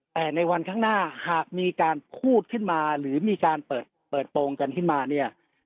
แต่ในวันข้างหน้าหากมีการพูดขึ้นมาหรือมีการเปิดโปรงกันขึ้นมาเนี่ย